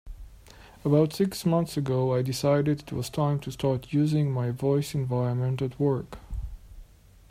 About six months ago, I decided it was time to start using my voice environment at work.